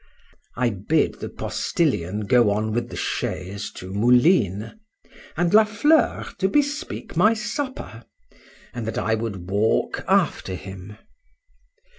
I bid the postilion go on with the chaise to Moulines—and La Fleur to bespeak my supper;—and that I would walk after him.